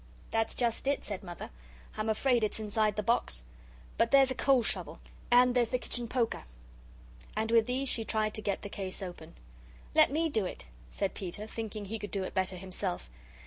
"That's just it," said Mother. "I'm afraid it's inside the box. But there's a coal shovel and there's the kitchen poker." And with these she tried to get the case open. "Let me do it," said Peter, thinking he could do it better himself.